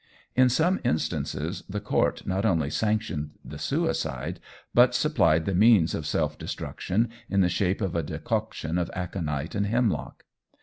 In some instances the court not only sanctioned the suicide, but supplied the means of self destruction in the shape of a decoction of aconite and hemlock.